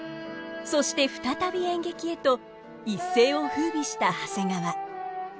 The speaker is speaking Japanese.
そして再び演劇へと一世を風靡した長谷川。